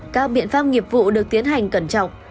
các biện pháp nghiệp vụ được tiến hành cẩn trọng